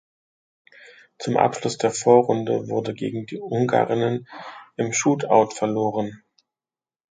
Zum Abschluss der Vorrunde wurde gegen die Ungarinnen im Shootout verloren.